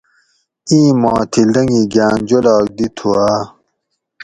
اِیں ما تھی لنگی گھاۤن جولاگ دی تُھوآۤ؟